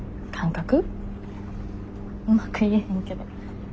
うまく言えへんけど。